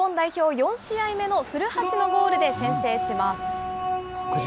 ４試合目の古橋のゴールで先制します。